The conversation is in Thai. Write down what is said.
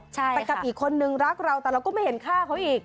แต่กับอีกคนนึงรักเราแต่เราก็ไม่เห็นฆ่าเขาอีก